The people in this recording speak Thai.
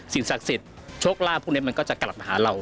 สิ่งศักดิ์สิทธิ์โชคลาภูมินั้นก็จะกลับมาหาเรา